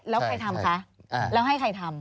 แล้วใครทำคะแล้วให้ใครทำ